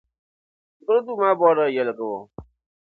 Shikuru duu maa bɔrila yaliɣibu.